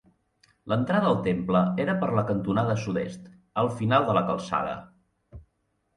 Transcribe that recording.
L'entrada al temple era per la cantonada sud-est, al final de la calçada.